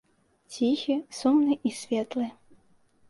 Ціхі, сумны і светлы.